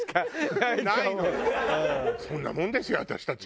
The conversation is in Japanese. そんなもんですよ私たち。